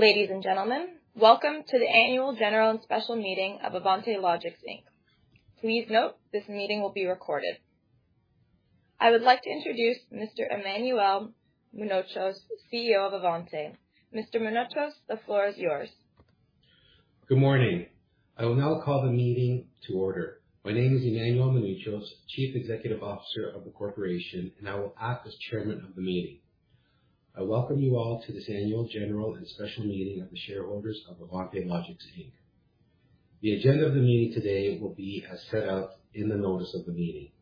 Ladies and gentlemen, welcome to the annual general and special meeting of Avante Logixx Inc. Please note this meeting will be recorded. I would like to introduce Mr. Emmanuel Mounouchos, CEO of Avante. Mr. Mounouchos, the floor is yours. Good morning. I will now call the meeting to order. My name is Emmanuel Mounouchos, Chief Executive Officer of the corporation, and I will act as chairman of the meeting. I welcome you all to this annual general and special meeting of the shareholders of Avante Logixx Inc. The agenda of the meeting today will be as set out in the notice of the meeting.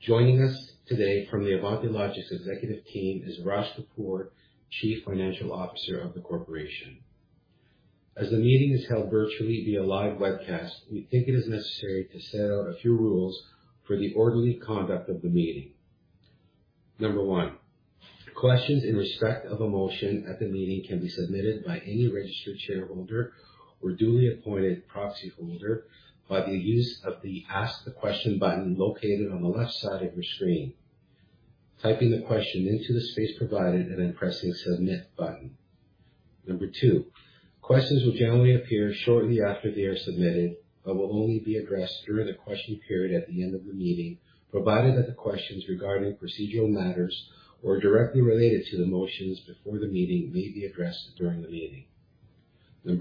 Joining us today from the Avante Logixx executive team is Raj Kapoor, Chief Financial Officer of the corporation. As the meeting is held virtually via live webcast, we think it is necessary to set out a few rules for the orderly conduct of the meeting. 1. Questions in respect of a motion at the meeting can be submitted by any registered shareholder or duly appointed proxy holder by the use of the Ask a Question button located on the left side of your screen, typing the question into the space provided, and then pressing the Submit button. 2. Questions will generally appear shortly after they are submitted but will only be addressed during the question period at the end of the meeting, provided that the questions regarding procedural matters or directly related to the motions before the meeting may be addressed during the meeting. 3.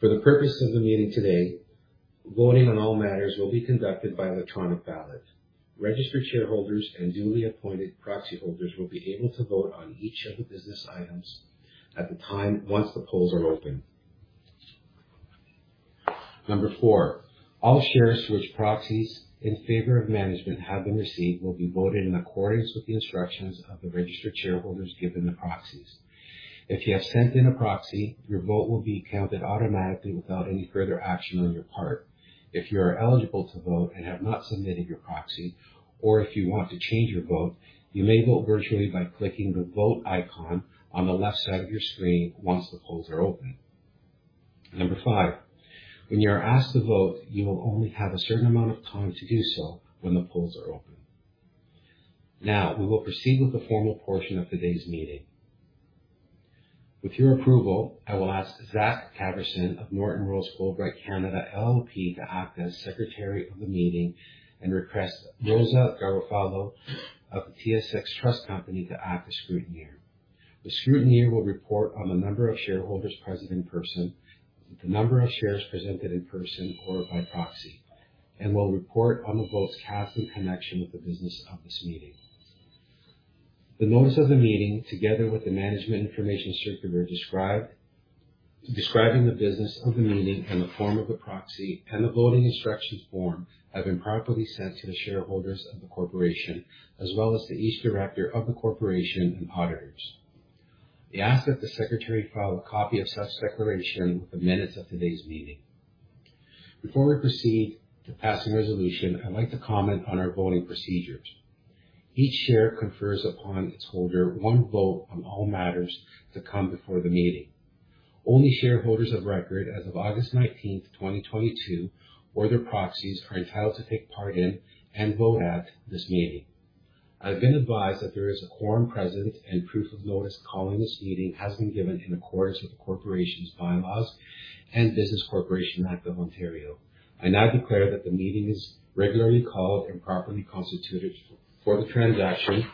For the purpose of the meeting today, voting on all matters will be conducted by electronic ballot. Registered shareholders and duly appointed proxy holders will be able to vote on each of the business items at the time once the polls are open. Number four, all shares for which proxies in favor of management have been received will be voted in accordance with the instructions of the registered shareholders given the proxies. If you have sent in a proxy, your vote will be counted automatically without any further action on your part. If you are eligible to vote and have not submitted your proxy, or if you want to change your vote, you may vote virtually by clicking the Vote icon on the left side of your screen once the polls are open. Number five, when you are asked to vote, you will only have a certain amount of time to do so when the polls are open. Now, we will proceed with the formal portion of today's meeting. With your approval, I will ask Zach Cavarson of Norton Rose Fulbright Canada LLP to act as Secretary of the meeting and request Rosa Garofalo of the TSX Trust Company to act as scrutineer. The scrutineer will report on the number of shareholders present in person, the number of shares presented in person or by proxy, and will report on the votes cast in connection with the business of this meeting. The notice of the meeting, together with the management information circular describing the business of the meeting and the form of the proxy, and the voting instructions form, have been properly sent to the shareholders of the corporation, as well as to each director of the corporation and auditors. We ask that the secretary file a copy of such declaration with the minutes of today's meeting. Before we proceed to pass the resolution, I'd like to comment on our voting procedures. Each share confers upon its holder one vote on all matters to come before the meeting. Only shareholders of record as of August 19th, 2022, or their proxies, are entitled to take part in and vote at this meeting. I've been advised that there is a quorum present, and proof of notice calling this meeting has been given in accordance with the corporation's bylaws and Business Corporations Act (Ontario). I now declare that the meeting is regularly called and properly constituted for the transaction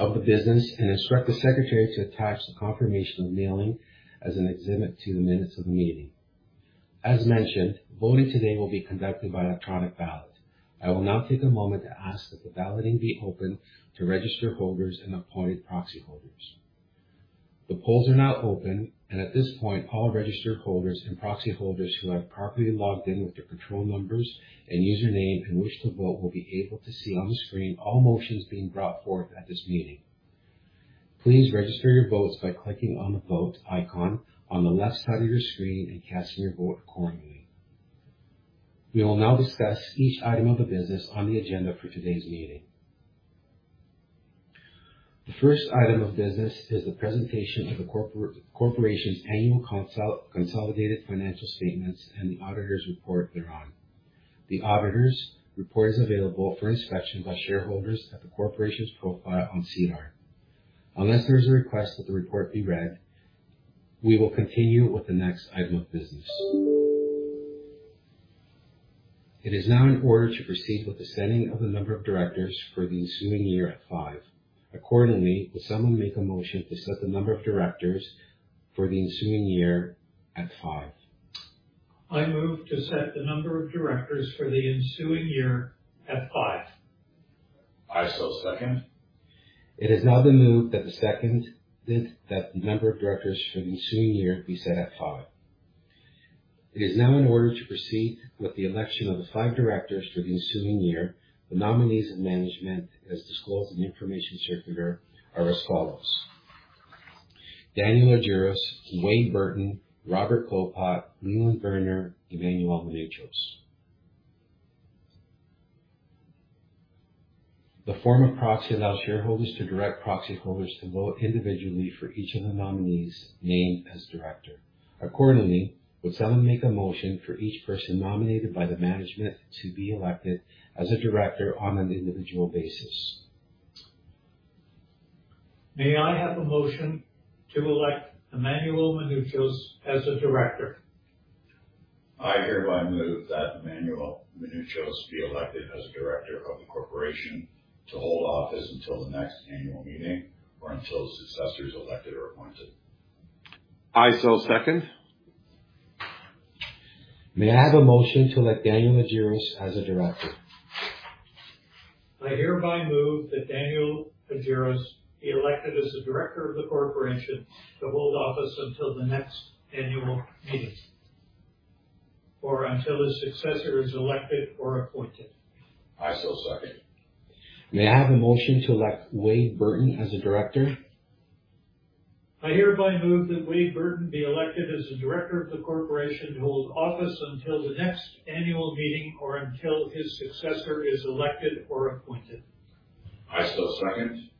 of the business, and instruct the secretary to attach the confirmation of mailing as an exhibit to the minutes of the meeting. As mentioned, voting today will be conducted by electronic ballot. I will now take a moment to ask that the balloting be open to registered holders and appointed proxy holders. The polls are now open, and at this point, all registered holders and proxy holders who have properly logged in with their control numbers and username in which to vote will be able to see on the screen all motions being brought forth at this meeting. Please register your votes by clicking on the Vote icon on the left side of your screen and casting your vote accordingly. We will now discuss each item of the business on the agenda for today's meeting. The first item of business is the presentation of the corporation's annual consolidated financial statements and the auditor's report thereon. The auditor's report is available for inspection by shareholders at the corporation's profile on SEDAR. Unless there is a request that the report be read, we will continue with the next item of business. It is now in order to proceed with the setting of the number of directors for the ensuing year at five. Accordingly, will someone make a motion to set the number of directors for the ensuing year at five? I move to set the number of directors for the ensuing year at five. I so second. It has now been moved and seconded that the number of directors for the ensuing year be set at five. It is now in order to proceed with the election of the five directors for the ensuing year. The nominees and management, as disclosed in the information circular, are as follows: Daniel Argiros, Wade Burton, Robert Klopot, Leland Verner, Emmanuel Mounouchos. The form of proxy allows shareholders to direct proxy holders to vote individually for each of the nominees named as director. Accordingly, would someone make a motion for each person nominated by the management to be elected as a director on an individual basis? May I have a motion to elect Emmanuel Mounouchos as a director? I hereby move that Emmanuel Mounouchos be elected as a director of the corporation to hold office until the next annual meeting or until his successor is elected or appointed. I so second. May I have a motion to elect Daniel Argiros as a director? I hereby move that Daniel Argiros be elected as a director of the corporation to hold office until the next annual meeting or until his successor is elected or appointed. I second. May I have a motion to elect Wade Burton as a director? I hereby move that Wade Burton be elected as a director of the corporation to hold office until the next annual meeting or until his successor is elected or appointed. I second.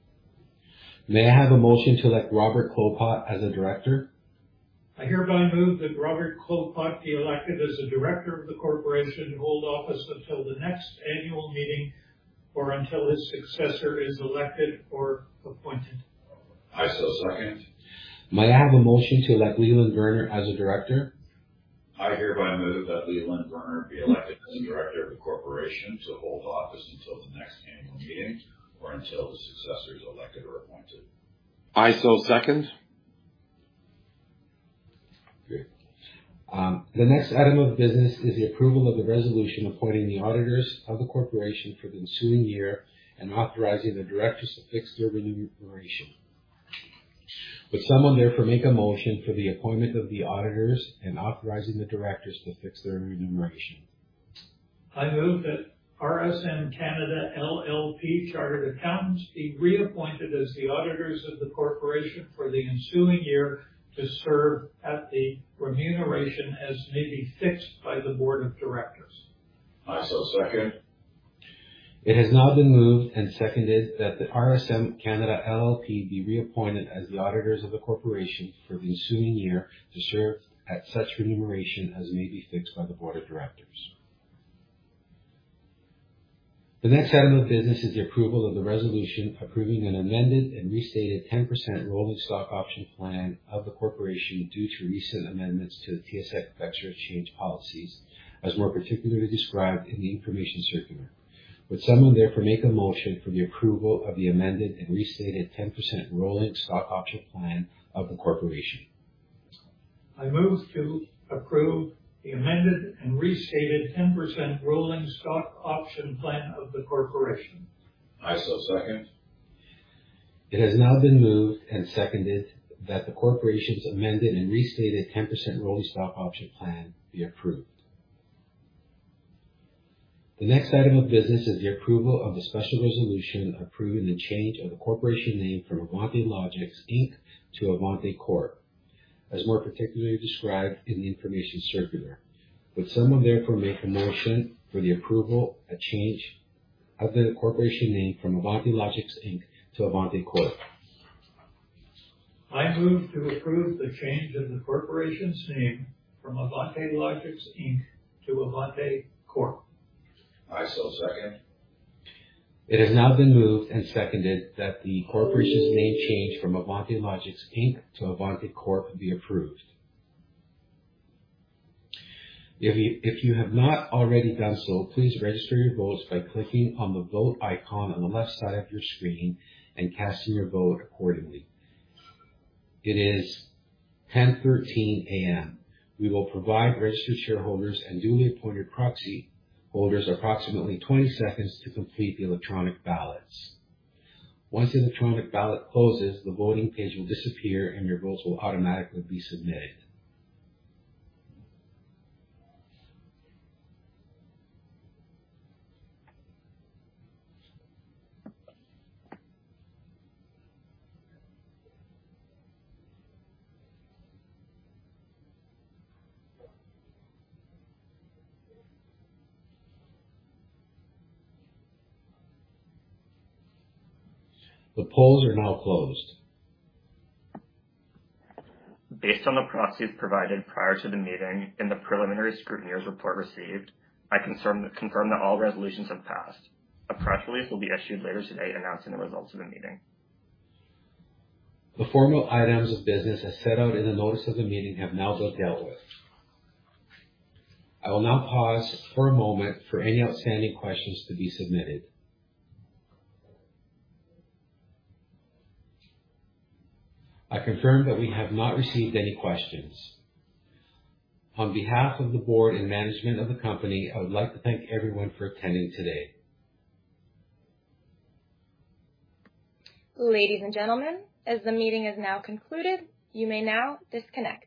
May I have a motion to elect Robert Klopot as a director? I hereby move that Robert Klopot be elected as a director of the corporation to hold office until the next annual meeting or until his successor is elected or appointed. I second. May I have a motion to elect Leland Verner as a director? I hereby move that Leland Verner be elected as a director of the corporation to hold office until the next annual meeting or until the successor is elected or appointed. I second. Good. The next item of business is the approval of the resolution appointing the auditors of the corporation for the ensuing year and authorizing the directors to fix their remuneration. Would someone therefore make a motion for the appointment of the auditors and authorizing the directors to fix their remuneration? I move that RSM Canada LLP Chartered Accountants be reappointed as the auditors of the corporation for the ensuing year to serve at the remuneration as may be fixed by the board of directors. I second. It has now been moved and seconded that the RSM Canada LLP be reappointed as the auditors of the corporation for the ensuing year to serve at such remuneration as may be fixed by the board of directors. The next item of business is the approval of the resolution approving an amended and restated 10% rolling stock option plan of the corporation due to recent amendments to the TSX Venture Exchange policies, as more particularly described in the information circular. Would someone therefore make a motion for the approval of the amended and restated 10% rolling stock option plan of the corporation? I move to approve the amended and restated 10% rolling stock option plan of the corporation. I second. It has now been moved and seconded that the corporation's amended and restated 10% rolling stock option plan be approved. The next item of business is the approval of the special resolution approving the change of the corporation name from Avante Logixx Inc. to Avante Corp., as more particularly described in the information circular. Would someone therefore make a motion for the approval, a change of the corporation name from Avante Logixx Inc. to Avante Corp.? I move to approve the change of the corporation's name from Avante Logixx Inc. to Avante Corp. I so second. It has now been moved and seconded that the corporation's name change from Avante Logixx Inc. to Avante Corp. be approved. If you have not already done so, please register your votes by clicking on the Vote icon on the left side of your screen and casting your vote accordingly. It is 10:13 A.M. We will provide registered shareholders and newly appointed proxy holders approximately 20 seconds to complete the electronic ballots. Once the electronic ballot closes, the voting page will disappear, and your votes will automatically be submitted. The polls are now closed. Based on the proxies provided prior to the meeting and the preliminary scrutineer's report received, I confirm that all resolutions have passed. A press release will be issued later today announcing the results of the meeting. The formal items of business as set out in the notice of the meeting have now been dealt with. I will now pause for a moment for any outstanding questions to be submitted. I confirm that we have not received any questions. On behalf of the board and management of the company, I would like to thank everyone for attending today. Ladies and gentlemen, as the meeting is now concluded, you may now disconnect.